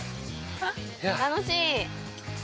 楽しい。